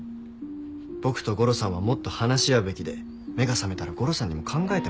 僕とゴロさんはもっと話し合うべきで目が覚めたらゴロさんにも考えてもらいましょうって。